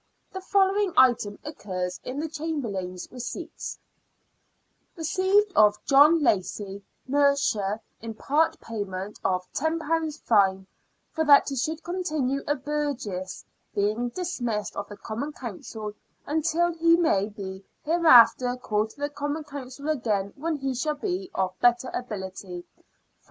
The following item occurs in the Chamberlain's receipts :—" Received of John Lacie, mercer, in part payment of £io fine, for that he should continue a burgess, being dismissed of the Common Council until he may be here after called to the Common Council again when he shall be of better ability, £5."